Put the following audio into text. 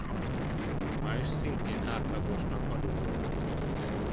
Május szintén átlagosnak adódott.